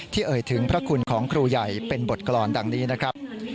เอ่ยถึงพระคุณของครูใหญ่เป็นบทกรรมดังนี้นะครับ